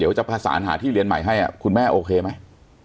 จะประสานหาที่เรียนใหม่ให้คุณแม่โอเคไหม